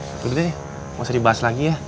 tunggu sebentar ya masa dibahas lagi ya